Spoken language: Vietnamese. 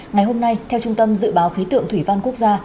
ngày hôm nay theo trung tâm dự báo khí tượng thủy văn quốc gia